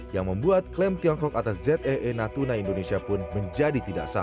yang membuat klaim tiongkok atas zee natuna indonesia pun menjadi tidak sah